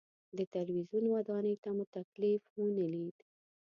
د تلویزیون ودانۍ ته مو تکلیف ونه لید.